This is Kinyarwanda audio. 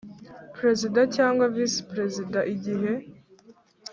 Perezida cyangwa Visi Perezida igihe